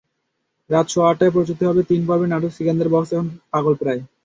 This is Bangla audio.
রাত সোয়া আটটায় প্রচারিত হবে তিন পর্বের নাটক সিকান্দার বক্স এখন পাগলপ্রায়।